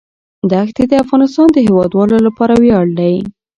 دښتې د افغانستان د هیوادوالو لپاره ویاړ دی.